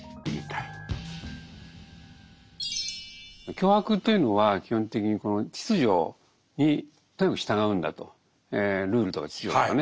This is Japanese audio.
強迫というのは基本的にこの秩序にとにかく従うんだとルールとか秩序とかね